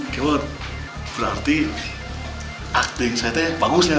kemot berarti acting saya bagus ya